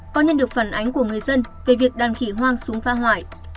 có nhận được phản ánh của người dân về việc đàn khỉ hoang xuống phá hoại